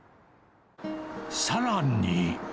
さらに。